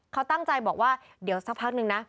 เขาตั้งใจบอกว่าเดี๋ยวสักพักนึงนะ